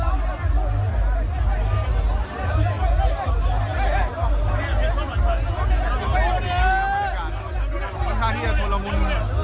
มันค่ะที่จะชนละมุน